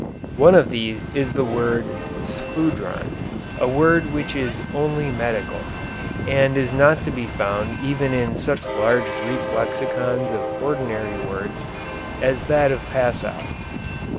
One of these is the word sphudron, a word which is only medical, and is not to be found even in such large Greek lexicons of ordinary words as that of Passow.